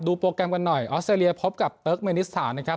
โปรแกรมกันหน่อยออสเตรเลียพบกับเติร์กเมนิสถานนะครับ